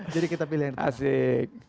jadi kita pilih yang tengah